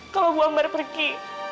kalau ibu ambar pergi